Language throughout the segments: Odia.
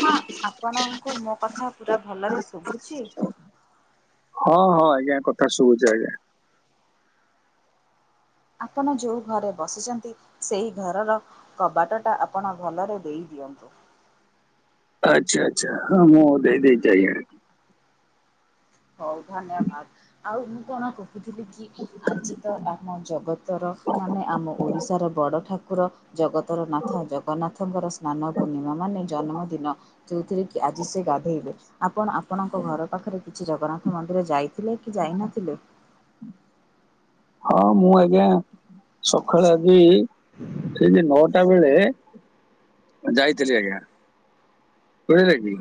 ହଁ ଆପଣଙ୍କୁ ମୋ କଥା ପୁରା ଭଲରେ ଶୁଭୁଛି? ହଁ ହଁ ଆଜ୍ଞା କଥା ଶୁବୁଛି ଆଜ୍ଞା। ଆପଣ ଯୋଉ ଘରେ ବସିଛନ୍ତି ସେଇ ଘରର କବାଟ ଟା ଆପଣ ଭଲରେ ଦେଇ ଦିଅନ୍ତୁ। ଆଚ୍ଛା ଆଚ୍ଛା ହଁ ମୁଁ ଦେଇ ଦେଇଛି ଆଜ୍ଞା। ହଉ ଧନ୍ୟବାଦ ଆଉ ମୁଁ କଣ କହୁଥିଲି କି? ଆଜି ତ ଆମ ଜଗତର ମାନେ ଆମ ଓଡ଼ିଶାର ବଡ଼ ଠାକୁର। ଜଗତର ନାଥ ଜଗନ୍ନାଥଙ୍କର ସ୍ନାନ ପୂର୍ଣ୍ଣିମା ମାନେ ଜନ୍ମଦିନ। ଯୋଉଥିରେକି ଆଜି ସେ ଗାଧେଇବେ ଆପଣ ଆପଣଙ୍କ ଘର ପାଖରେ କିଛି ଜଗନ୍ନାଥ ମନ୍ଦିର ଯାଇଥିଲେ କି ଯାଇନଥିଲେ? ହଁ ମୁଁ ଆଜ୍ଞା ସକାଳେ ଆଜି ଠିକି ନଅଟା ବେଳେ ଯାଇଥିଲି ଆଜ୍ଞା ବୁଝିଲେ କି?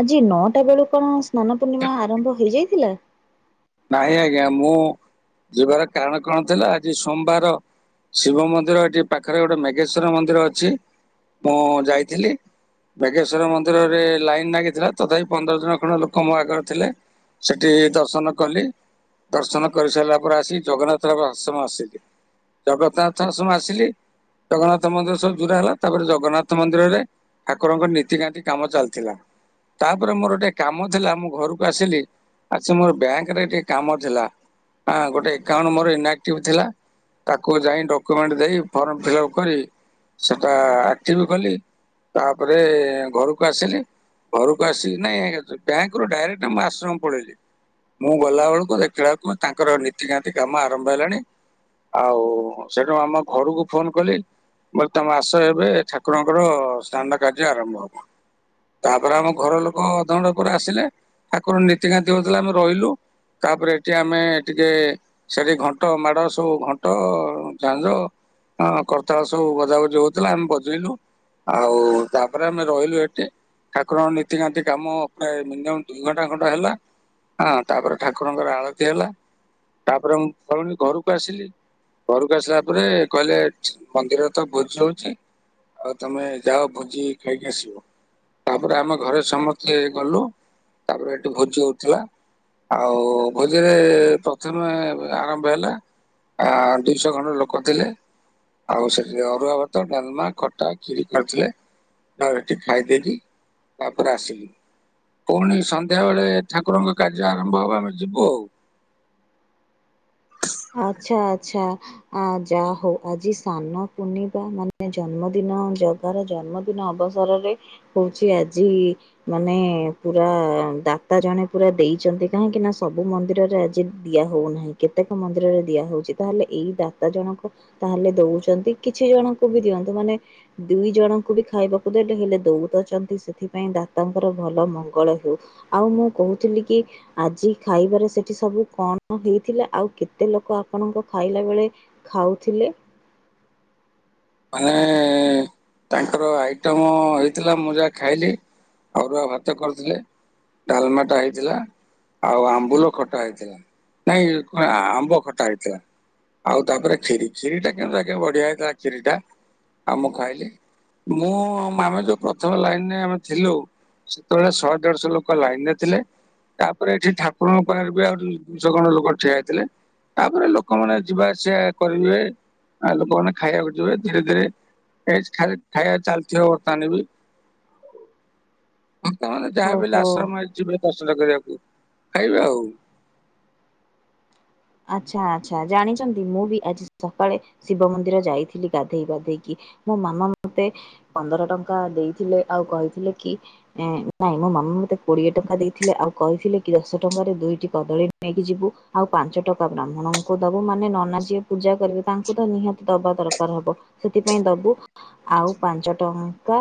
ଆଜି ନଅଟା ବେଳୁ କଣ ସ୍ନାନ ପୂର୍ଣ୍ଣିମା ଆରମ୍ଭ ହେଇଯାଇଥିଲା? ନାଇଁ ଆଜ୍ଞା ମୁଁ ଯିବାର କାରଣ କଣ ଥିଲା ଆଜି ସୋମବାର। ଶିବ ମନ୍ଦିର ଏଠି ପାଖରେ ଗୋଟେ ମେଘେଶ୍ଵର ମନ୍ଦିର ଅଛି ମୁଁ ଯାଇଥିଲି। ବେଗେଶ୍ଵର ମନ୍ଦିରରେ ଲାଇନ ଲାଗିଥିଲା ତଥାପି ପନ୍ଦର ଜଣ ଖଣ୍ଡ ଲୋକ ମୋ ଆଗରେ ଥିଲେ। ସେଠି ଦର୍ଶନ କଲି ଦର୍ଶନ କରିସାରିଲା ପରେ ଆସି ଜଗନ୍ନାଥର ଆଶ୍ରମ ଆସିଲି। ଜଗନ୍ନାଥ ଆଶ୍ରମ ଆସିଲି। ଜଗନ୍ନାଥ ମନ୍ଦିର ସବୁ ପୁରା ହେଲା ତାପରେ ଜଗନ୍ନାଥ ମନ୍ଦିରରେ ଠାକୁରଙ୍କ ନୀତିକାନ୍ତି କାମ ଚାଲିଥିଲା। ତାପରେ ମୋର ଗୋଟେ କାମ ଥିଲା ମୁଁ ଘରକୁ ଆସିଲି ଆସି ମୋର ବ୍ୟାଙ୍କ କେରେ ଟିକେ କାମ ଥିଲା ହ ଗୋଟେ ଏକାଉଣ୍ଟ୍ ମୋର ଇନ୍ ଏକ୍ଟିଭ୍ ଥିଲା। ତାକୁ ଯାଇ ଡକୁମେଣ୍ଟ ଦେଇ ଫର୍ମ ଫିଲଅପ କରି ସେଟା ଆଟିଭି କଲି। ତାପରେ ଘରକୁ ଆସିଲି। ଘରକୁ ଆସିକି ନାଇଁ ବ୍ୟାଙ୍କରୁ ଡାଇରେକ୍ଟ ଆମ ଆଶ୍ରମକୁ ପଳେଇଲି। ମୁଁ ଗଲା ବେଳକୁ ଦେଖିଲା ବେଳକୁ ତାଙ୍କର ନୀତିକାନ୍ତି କାମ ଆରମ୍ଭ ହେଲାଣି। ଆଉ-ଉ-ଉ-ଉ ସେଉଠୁ ଆମ ଘରକୁ ଫୋନ କଲି। ବ ତମ ଆସ ଏବେ ଠାକୁରଙ୍କର ସ୍ନାନ କାର୍ଯ୍ୟ ଆରମ୍ଭ ହବ। ତାପରେ ଆମ ଘର ଲୋକ ଅଧ ଘଣ୍ଟା ପରେ ଆସିଲେ ଠାକୁର ନୀତିକାନ୍ତି ହଉଥିଲା ଆମେ ରହିଲୁ। ତାପରେ ଏଠି ଆମେ-ଏ-ଏ ଟିକେ ସେଠି ଘଣ୍ଟ ମାଡ ସବୁ ଘଣ୍ଟ-ଅ-ଅ, ଝାଞ୍ଜ। ହଁ କର୍ତାବ ସବୁ ବଜାବଜି ହଉଥିଲା ଆମେ ବଜେଇଲୁ। ଆଉ-ଉ-ଉ ତାପରେ ଆମେ ରହିଲୁ ହେଠି। ଠାକୁରଙ୍କ ନୀତିକାନ୍ତି କାମ ପ୍ରାୟ ମିନିୟମ ଦି ଘଣ୍ଟା ଘଣ୍ଟା ହେଲା ହଁ। ତାପରେ ଠାକୁରଙ୍କର ଆଳତି ହେଲା, ତାପରେ ମୁଁ ଫୁଣୀ ଘରକୁ ଆସିଲି। ଘରକୁ ଆସିଲା ପରେ କହିଲେ ମନ୍ଦିର ତ ଭୋଜି ହଉଛି। ଆଉ ତମେ ଯାଅ ଭୋଜି ଖାଇକି ଆସିବ। ତାପରେ ଆମ ଘରେ ସମସ୍ତେ ଗଲୁ ତାପରେ ହେଠି ଭୋଜି ହଉଥିଲା। ଆଉ-ଉ-ଉ-ଉ ଭୋଜିରେ-ଏ-ଏ ପ୍ରଥମେ ଆରମ୍ଭ ହେଲା। ଆ-ଆ-ଆ ଦୁଇଶହ ଖଣ୍ଡ ଲୋକ ଥିଲେ। ଆଉ ସେଠିରେ ଅରୁଆ ଭାତ, ଡାଲମା, ଖଟା, ଖିରି କରିଥିଲେ। ଆ ଏଠି ଖାଇଦେଇକି ତାପରେ ଆସିଲି। ପୁଣି ସନ୍ଧ୍ୟା ବେଳେ ଠାକୁରଙ୍କ କାର୍ଯ୍ୟ ଆରମ୍ଭ ହବ ଆମେ ଯିବୁ ଆଉ। ଆଚ୍ଛା, ଆଚ୍ଛା। ଆ ଯାହା ହଉ ଆଜି ସ୍ନାନ ପୂର୍ଣିମା ମାନେ ଜନ୍ମଦିନ ଜ ଗାର ଜନ୍ମଦିନ ଅବସରରେ ହଉଛି ଆଜି ମାନେ ପୁରା ଦାତା ଜଣେ ପୁରା ଦେଇଛନ୍ତି କାହିଁକି ନା ସବୁ ମନ୍ଦିରରେ ଆଜି ଦିଆ ହଉନାହିଁ, କେତେକ ମନ୍ଦିରରେ ଦିଆ ହଉଛି। ତାହେଲେ ଏଇ ଦାତା ଜଣଙ୍କ ତାହେଲେ ଦଉଛନ୍ତି କିଛି ଜଣଙ୍କୁ ବି ଦିଅନ୍ତୁ ମାନେ ଦୁଇ ଜଣଙ୍କୁ ବି ଖାଇବାକୁ ଦେଲେ ହେଲେ ଦଉ ତ ଛନ୍ତି ସେଥିପାଇଁ ଦାତାଙ୍କର ଭଲ ମଙ୍ଗଳ ହେଉ। ଆଉ ମୁଁ କହୁଥିଲି କି ଆଜି ଖାଇବାରେ ସେଠି ସବୁ କଣ ହେଇଥିଲା ଆଉ କେତେ ଲୋକ ଆପଣଙ୍କ ଖାଇଲାବେଳେ ଖାଉଥିଲେ? [unintelligible] ତାଙ୍କର ଆଇଟମ ହେଇଥିଲା ମୁଁ ଯାହା ଖାଇଲି ଅରୁଆ ଭାତ କରିଥିଲେ। ଡାଲମାଟା ହେଇଥିଲା ଆଉ ଆମ୍ବୁଲ ଖଟା ହେଇଥିଲା। ନାଇଁ କଣ ଆମ୍ବ ଖଟା ହେଇଥିଲା। ଆଉ ତାପରେ ଖିରି ଖିରିଟା କିନ୍ତୁ ଆଜ୍ଞା ବଢିଆ ହେଇଥିଲା ଖିରି ଟା। ଆଉ ମୁଁ ଖାଇଲି। ମୁଁ ଆମେ ଯୋଉ ପ୍ରଥମେ ଲାଇନରେ ଆମେ ଥିଲୁ ସେତେବେଳେ ଶହେ ଦେଢଶହ ଲୋକ ଲାଇନରେ ଥିଲେ। ତାପରେ ଏଠି ଠାକୁରଙ୍କ ପାଖରେ ବି ଆଉରି ଦୁଇଶହ ଖଣ୍ଡ ଲୋକ ଠିଆ ହେଇଥିଲେ। ତାପରେ ଲୋକମାନେ ଯିବା ଆସିବା କରିବେ ଆ ଲୋକମାନେ ଖାଇବାକୁ ଯିବେ। ଧୀରେ ଧୀରେ ଏଜ୍ ଖାଲି ଖାଇବା ଚାଲିଥିବ ବର୍ତ୍ତମାନ ବି। ଭକ୍ତ ମାନେ ଯାହାବି ହେଲେ ଓହୋ ଆଶ୍ରମ ହେଇ ଯିବେ ଦର୍ଶନ କରିବାକୁ ଖାଇବେ ଆଉ। ଆଚ୍ଛା ଆଚ୍ଛା ଜାଣିଛନ୍ତି ମୁଁ ବି ଆଜି ସକାଳେ ଶିବ ମନ୍ଦିର ଯାଇଥିଲି ଗାଧେଇ ପାଧେଇକି। ମୋ ମାମା ମତେ ପନ୍ଦର ଟଙ୍କା ଦେଇଥିଲେ ଆଉ କହିଥିଲେ କି ଏ ନାଇଁ ମୋ ମାମା ମତେ କୋଡିଏ ଟଙ୍କା ଦେଇଥିଲେ ଆଉ କହିଥିଲେ କି ଦଶ ଟଙ୍କାରେ ଦୁଇଟି କଦଳୀ ନେଇକି ଯିବୁ ଆଉ ପାଞ୍ଚ ଟ ଙ୍କା ବ୍ରାହ୍ମଣଙ୍କୁ ଦବୁ ମାନେ ନନା ଯିଏ ପୂଜା କରିବେ ତାଙ୍କୁ ତ ନିହାତି ଦବା ଦରକାର ହବ। ସେଥିପାଇଁ ଦବୁ ଆଉ ପାଞ୍ଚ ଟଙ୍କା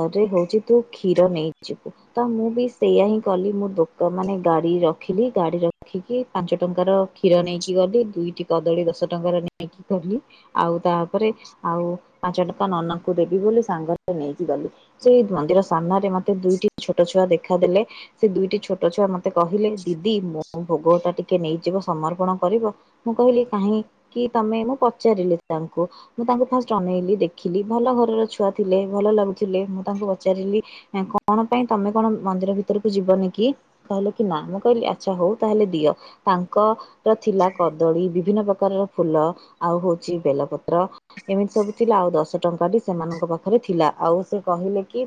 ଅରେ ହଉଛି ତୁ କ୍ଷୀର ନେଇଯିବୁ। ତ ମୁଁ ବି ସେଇୟା ହିଁ କଲି ମୁଁ ଦୋକ ମାନେ ଗାଡି ରଖିଲି ଗାଡି ରଖିକି ପାଞ୍ଚ ଟଙ୍କାର କ୍ଷୀର ନେଇକି ଗଲି ଦୁଇଟି କଦଳୀ ଦଶ ଟଙ୍କାର ନେଇକି ଗଲି। ଆଉ ତାପରେ ଆଉ ପାଞ୍ଚ ଟଙ୍କା ନନାଙ୍କୁ ଦେବି ବୋଲି ସାଙ୍ଗରେ ନେଇକି ଗଲି। ସେଇ ମନ୍ଦିର ସାମ୍ନାରେ ମତେ ଦୁଇଟି ଛୋଟ ଛୁଆ ଦେଖାଦେଲେ। ସେ ଦୁଇଟି ଛୋଟ ଛୁଆ ମତେ କହିଲେ ଦିଦି ମୋ ଭୋଗ ଟା ଟିକେ ନେଇଯିବ ସମର୍ପଣ କରିବ। ମୁଁ କହିଲି କାହିଁକି ତମେ ମୁଁ ପଚାରିଲି ତାଙ୍କୁ ମୁଁ ତାଙ୍କୁ ଫାଷ୍ଟ ଅନେଇଲି ଦେଖିଲି ଭଲ ଘରର ଛୁଆ ଥିଲେ ଭଲ ଲାଗୁଥିଲେ ମୁଁ ତାଙ୍କୁ ପଚାରିଲି। କଣ ପାଇଁ ତମେ କଣ ମନ୍ଦିର ଭିତରକୁ ଯିବନି କି? କହିଲି କି ନା ମୁଁ କହିଲି ଆଚ୍ଛା ହଉ ତାହେଲେ ଦିଅ ତା କ ର ଥିଲା କଦଳୀ ବିଭିନ୍ନ ପ୍ରକାରର ଫୁଲ ଆଉ ହଉଛି ବେଲପତ୍ର। ଏମିତି ସବୁ ଥିଲା ଆଉ ଦଶ ଟଙ୍କା ସେମାନଙ୍କ ପାଖରେ ଥିଲା ଆଉ ସେ କହିଲେ କି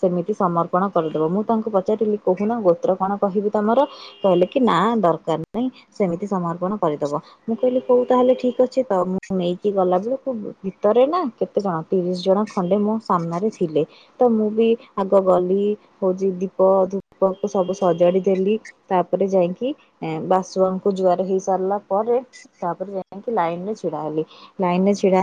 ସେମିତି ସମର୍ପଣ କରିଦବ ମୁଁ ତାଙ୍କୁ ପଚାରିଲି କହୁନ ଗୋତ୍ର କଣ କହିବି ତମର? କହିଲେ କି ନା ଦରକାର ନାହିଁ ସେମିତି ସମର୍ପଣ କରିଦବ। ମୁଁ କହିଲି କୋଉ ତାହେଲେ ଠିକ ଅଛି ତ ମୁଁ ନେଇକି ଗଲାବେଳକୁ ଭିତରେ ନା କେତେ ଜଣ ତିରିଶ ଜଣ ଖଣ୍ଡେ ମୋ ସାମ୍ନାରେ ଥିଲେ ତ ମୁଁ ବି ଆଗ ଗଲି ହଉଛି ଦୀପ ଧୂପକୁ ସବୁ ସଜାଡି ଦେଲି। ତାପରେ ଯାଇକି ବା ସୁଆଙ୍କୁ ଜୁଆର ହେଇ ସାରିଲା ପରେ ତାପରେ ଯାଇକି ଲାଇନ ରେ ଛିଡାହେଲି ଲାଇନରେ ଛିଡା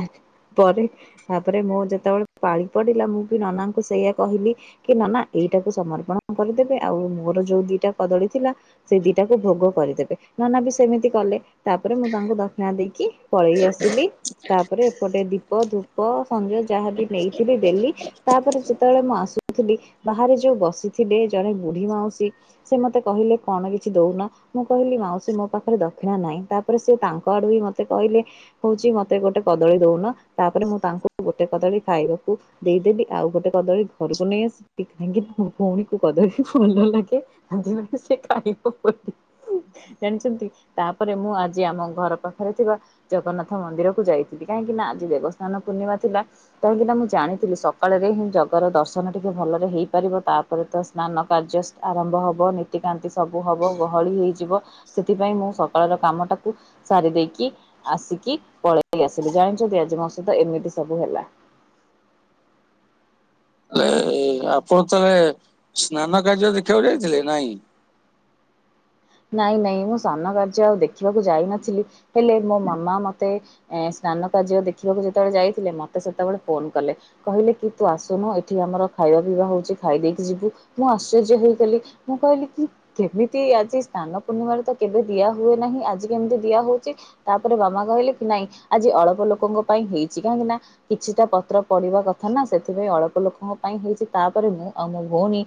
ପରେ ତାପରେ ମୋ ଯେତେବେଳେ ପାଳି ପଡିଲା ମୁଁ ବି ନନାଙ୍କୁ ସେଇଆ କହିଲି କି ନନା ଏଇଟାକୁ ସମର୍ପଣ କରିଦେବେ ଆଉ ମୋର ଯୋଉ ଦିଟା କଦଳୀ ଥିଲା ସେଇ ଦିଟାକୁ ଭୋଗ କରିଦେବେ ନନା ବି ସେମିତି କଲେ। ତାପରେ ମୁଁ ତାଙ୍କୁ ଦକ୍ଷିଣା ଦେଇକି ପଳେଇ ଆସିଲି। ତାପରେ ଏପଟେ ଦୀପ, ଧୂପ ସଞ୍ଜୟ ଯାହା ବି ନେଇଥିଲି ଦେଲି ତାପରେ ସେତେବେଳେ ମୁଁ ଆସୁଥିଲି ବାହାରେ ଯୋଉ ବସିଥିଲେ ଜଣେ ବୁଢୀ ମାଉସୀ ସେ ମତେ କହିଲେ କଣ କିଛି ଦଉନା ମୁଁ କହିଲି ମା ସେ ମୋ ପାଖରେ ଦକ୍ଷିଣା ନାହିଁ ତାପରେ ସେ ତାଙ୍କ ଆଡ଼ୁ ବି ମୋତେ କହିଲେ ହଉଛି ମତେ ଗୋଟେ କଦଳୀ ଦଉନ ତାପରେ ମୁଁ ତାଙ୍କୁ ଗୋଟେ କଦଳୀ ଖାଇବାକୁ ଦେଇଦେଲି ଆଉ ଗୋଟେ କଦଳୀ ଘରକୁ ନେଇ ଆସି କାହିଁକି ମୋ ଭଉଣୀକୁ କଦଳୀ ଭଲ ଲାଗେ। ସେ ଖାଇବ ବୋଲି। [inaudible] ଜାଣିଛନ୍ତି ତାପରେ ମୁଁ ଆଜି ଆମ ଘର ପାଖରେ ଥିବା ଜଗନ୍ନାଥ ମନ୍ଦିର କୁ ଯାଇଥିଲି କାହିଁକି ନା ଆଜି ଦେବସ୍ନାନ ପୂର୍ଣ୍ଣିମା ଥିଲା। କାହିଁକିନା ମୁଁ ଜାଣିଥିଲି ସକାଳରେ ହିଁ ଜଗାର ଦର୍ଶନ ଟିକେ ଭଲରେ ହେଇପାରିବ ତା ତାପରେ ତ ସ୍ନାନ କାର୍ଯ୍ୟ ଆରମ୍ଭ ହେବ ନୀତିକାନ୍ତି ସବୁ ହେବ ଗହଳି ହେଇଯିବ। ସେଥିପାଇଁ ମୁଁ ସକାଳର କାମଟାକୁ ସାରି ଦେଇକି ଆସିକି ପଳେଇ ଆସିଲି ଜାଣିଛନ୍ତି ଆଜି ମୋ ସହିତ ଏମିତି ସବୁ ହେଲା। ହେଲେ ଆପଣ ତାହେଲେ ସ୍ନାନ କାର୍ଯ୍ୟ ଦେଖିବାକୁ ଯାଇଥିଲେ ନାଇଁ? ନାଇଁ ନାଇଁ ମୁଁ ସ୍ନାନ କାର୍ଯ୍ୟ ଆଉ ଦେଖିବାକୁ ଯାଇନଥିଲି ହେଲେ ମୋ ମାମା ମତେ ଏ ସ୍ନାନ କାର୍ଯ୍ୟ ଦେଖିବାକୁ ଯେତେବେଳେ ଯାଇଥିଲେ ମତେ ସେତେବେଳେ ଫୋନ କଲେ। କହିଲେ କି ତୁ ଆସୁନୁ ଏଠି ଆମର ଖାଇବା ପିଇବା ହଉଛି ଖାଇଦେଇକି ଯିବୁ ମୁଁ ଆଶ୍ଚର୍ଯ୍ୟ ହେଇଗଲି। ମୁଁ କହିଲି କି କେମିତି ଆଜି ସ୍ନାନ ପୂର୍ଣ୍ଣିମାରେ ତ କେବେ ଦିଆ ହୁଏ ନାହିଁ ଆଜି କେମିତି ଦିଆ ହଉଛି? ତାପରେ ବାମା କହିଲେ କି ନାଇଁ ଆଜି ଅଳ୍ପ ଲୋକଙ୍କ ପାଇଁ ହେଇଛି କାହିଁକି ନା କିଛିଟା ପତ୍ର ପଡିବା କଥା ନା ସେଥିପାଇଁ ଅଳ୍ପ ଲୋକଙ୍କ ପାଇଁ ହେଇଛି ତାପରେ ମୁଁ ଆଉ ମୋ ଭଉଣୀ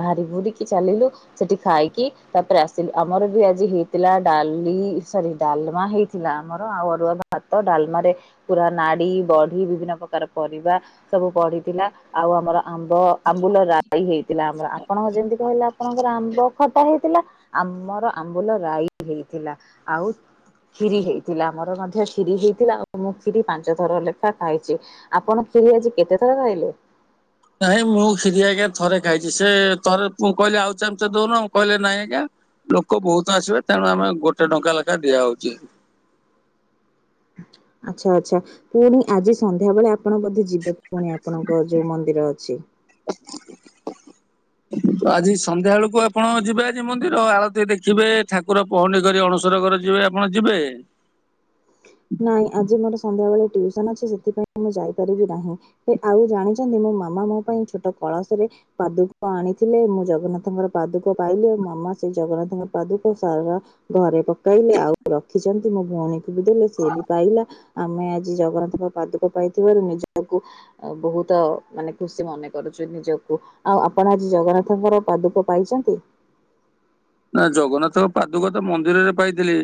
ବାହାରି ବୁହୁରିକି ଚାଲିଲୁ ସେଠି କାହିଁକି ତାପରେ ଆସିଲୁ ଆମର ବି ଆଜି ହେଇଥିଲା ଡାଲି ସରି ଡାଲମା ହେଇଥିଲା ଆମର ଆଉ ଅରୁଆ ଭାତ ଡାଲମାରେ ପୁରା ନାଡ଼ି ବଡି ବିଭିନ୍ନ ପ୍ରକାର ପରିବା ସବୁ ପଡ଼ିଥିଲା। ଆଉ ଆମର ଆମ୍ବ, ଅମ୍ବୁଲ ରାଇ ହେଇଥିଲା ଆମର ଆପଣ ଯେମିତି କହିଲେ ଆପଣଙ୍କର ଆମ୍ବ ଖଟା ହେଇଥିଲା ଆମର ଆମ୍ବୁଲ ରାଇ ହେଇଥିଲା ଆଉ ଖିରି ହେଇଥିଲା ଆମର ମଧ୍ୟ୍ୟ ଖିରି ହେଇଥିଲା ଆଉ ମୁଁ ଖିରି ପାଞ୍ଚ ଥର ଲେଖା ଖାଇଛି। ଆପଣ ଖିରି ଆଜି କେତେଥର ଖାଇଲେ? ନାଇଁ ମୁଁ କ୍ଷୀରି ଆଜ୍ଞା ଥରେ ଖାଇଛି ସେ ଥରେ କହିଲେ ଆଉ ଚାମୁଚେ ଦଉନ କହିଲେ ନାଇଁ ଆଜ୍ଞା। ଲୋକ ବହୁତ ଆସିବେ ତେଣୁ ଆମେ ଗୋଟେ ଟଙ୍କା ଲେଖାଏ ଦିଆହଉଛି। ଆଚ୍ଛା ଆଚ୍ଛା ପୁଣି ଆଜି ସନ୍ଧ୍ୟାବେଳେ ଆପଣ ବୋଧେ ଯିବେ ପୁଣି ଆପଣଙ୍କ ଯୋଉ ମନ୍ଦିର ଅଛି। ହଁ [inaudible] ଆଜି ସନ୍ଧ୍ୟା ବେଳକୁ ଆପଣ ଯିବେ ଆଜି ମନ୍ଦିର ଆଳତି ଦେଖିବେ ଠାକୁର ପହଣ୍ଡି କରି ଅଣସର ଘର ଯିବେ। କଣ ଯିବେ? ନାଇଁ ଆଜି ମୋର ସନ୍ଧ୍ୟାବେଳେ ଟ୍ୟୁସନ ଅଛି ସେଥିପାଇଁ ମୁଁ ଯାଇପାରିବି ନାହିଁ। ଆଉ ଜାଣିଛନ୍ତି ମୋ ମାମା ମୋ ପାଇଁ ଛୋଟ କଳସ ରେ ପାଦୁକ ଆଣିଥିଲେ ମୁଁ ଜଗନ୍ନାଥଙ୍କର ପାଦୁକ ପାଇଲି ମାମା ସେ ଜଗନ୍ନାଥଙ୍କ ପାଦୁକ ସାରା ଘରେ ପକେଇଲେ ଆଉ ରଖିଛନ୍ତି ମୋ ଭଉଣୀକୁ ବି ଦେଲେ ସିଏ ବି ପାଇଲା। ଆମେ ଆଜି ଜଗନ୍ନାଥଙ୍କ ପାଦୁକ ପାଇଥିବାରୁ ନିଜକୁ ବହୁତ ମାନେ ଖୁସି ମନେ କରୁଛୁ ନିଜକୁ। ଆଉ ଆପଣ ଆଜି ଜଗନ୍ନାଥଙ୍କର ପାଦୁକ ପାଇଛନ୍ତି। ନା ଜଗନ୍ନାଥଙ୍କ ପାଦୁକ ତ ମନ୍ଦିରରେ ପାଇଥିଲି।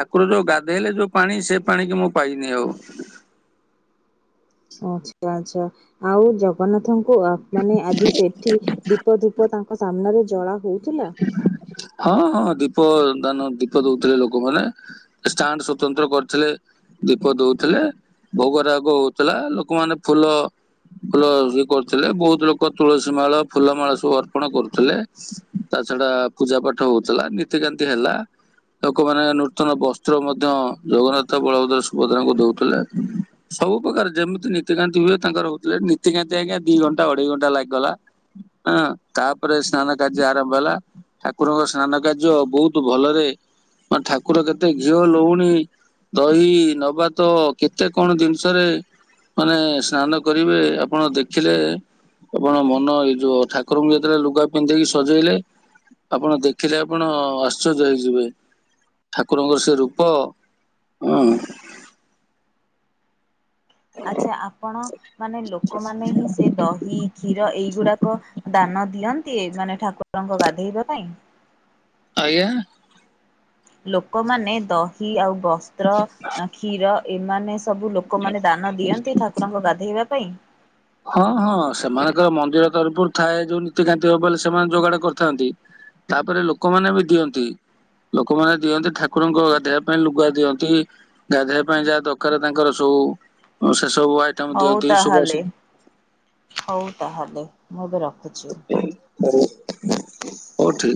ଠାକୁର ଯୋଉ ଗାଧେଇଲେ ଯୋଉ ପାଣି ସେ ପାଣି କି ମୁଁ ପାଇନି ଆଉ। ଆଚ୍ଛା ଆଚ୍ଛା ଆଉ ଜଗନ୍ନାଥଙ୍କୁ ମାନେ ଆଜି ସେଠି ଦୀପ, ଧୂପ ତାଙ୍କ ତ ସାମ୍ନାରେ ଜଳାହୁଏ। ହଁ ଦୀପ ଦାନ ଦୀପ ଦଉଥିଲେ ଲୋକମାନେ। ଷ୍ଟାଣ୍ଟ ସ୍ୱତନ୍ତ୍ର କରୁଥିଲେ ଦୀପ ଦଉଥିଲେ ଭୋଗ ରାଗ ହୋଉଥିଲା। ଲୋକମାନେ ଫୁଲ ଫୁଲ ଯୋଉ କରୁଥିଲେ ବୋହୁତ ଲୋକ ତୁଳସୀ ମାଳ ଫୁଲ ମାଳ ଅର୍ପଣ କରୁଥିଲେ। ତା ଛଡା ପୂଜା ପାଠ ହୋଉଥିଲା ନୀତି କାନ୍ତି ହେଲା। ଲୋକମାନେ ନୂତନ ବସ୍ତ୍ର ମଧ୍ୟ ଜଗନ୍ନାଥ ବଳଭଦ୍ର ସୁଭଦ୍ରା ଙ୍କୁ ଦଉଥିଲେ। ସବୁ ପ୍ରକାର ଯେମିତି ନୀତି କାନ୍ତି ହୁଏ ତାଙ୍କର ହୋଉଥିଲା ନୀତି କାନ୍ତି ଆଜ୍ଞା ଦି ଘଣ୍ଟା ଅଢେଇ ଘଣ୍ଟା ଲାଗିଗଲା। ଆଁ ତାପରେ ସ୍ନାନ କାର୍ଯ୍ୟ ଆର ଗଲା ଠାକୁରଙ୍କ ସ୍ନାନ କାର୍ଯ୍ୟ ବହୁତ ଭଲ ରେ ମୋ ଠାକୁର କେତେ ଘିଅ ଲହୁଣୀ ଦହି ନବାତ କେତେ କଣ ଜିନିଷରେ ମାନେ ସ୍ନାନ କରିବେ ଆପଣ ଦେଖିଲେ। ଆପଣ ମନ ଏଇ ଯୋଉ ଠାକୁରଙ୍କୁ ଯେତେବେଳେ ଲୁଗା ପିନ୍ଧେଇକି ସଜେଇଲେ। ଆପଣ ଦେଖିଲେ ଆପଣ ଆଶ୍ଚର୍ଯ୍ୟ ହେଇଯିବେ। ଠାକୁରଙ୍କର ସେ ରୂପ ଆଁ। ଆଚ୍ଛା ଆପଣ? ମାନେ ଲୋକମାନେ ହିଁ ସେ ଦହି କ୍ଷୀର ଏଇଗୁଡ଼ାକ ଦାନ ଦିଅ। କିଏ ମାନେ ଠାକୁର ଙ୍କ ଗାଧେଇବା ପାଇଁ। ଆଜ୍ଞା। ଲୋକମାନେ ଦହି ଆଉ ବସ୍ତ୍ର ଆ କ୍ଷୀର ଏମାନେ ସବୁ ଲୋକମାନେ ଦା ନ ଦିଅନ୍ତି ଠାକୁରଙ୍କ ଗାଧେଇବା ପାଇଁ। ହଁ ହଁ ସେମାନେତ ମନ୍ଦିର ତରଫରୁ ଥାଏ ଯୋଉ ନୀତି କାନ୍ତି ହବ ବୋଲି ସେମାନେ ଯୋଗାଡ଼ କରିଥାନ୍ତି। ତାପରେ ଲୋକମାନେ ବି ଦିଅନ୍ତି। ଲୋକମାନେ ଦିଅନ୍ତି ଠାକୁର ଙ୍କ ଗାଧେଇବା ପାଇଁ ଲୁଗା ଦିଅନ୍ତି। ଗାଧେଇବା ପାଇଁ ଯାହା ଦରକାର୍ ତାଙ୍କର ସୋ ସେସବୁ ହୋଉ ତାହେଲେ ହୋଉ ତାହେଲେ ମୁଁ ଏବେ ରଖୁଛି। ହେଇ ବଢିଆ।